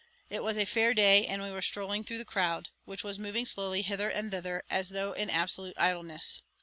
It was a fair day, and we were strolling through the crowd, which was moving slowly hither and thither, as though in absolute idleness.